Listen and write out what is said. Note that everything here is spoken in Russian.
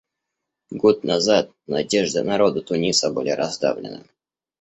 Год назад надежды народа Туниса были раздавлены.